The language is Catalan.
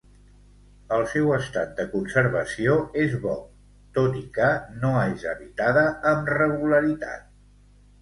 El seu estat de conservació és bo, tot i que no és habitada amb regularitat.